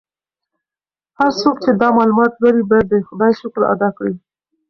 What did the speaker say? هر څوک چې دا معلومات لولي باید د خدای شکر ادا کړي.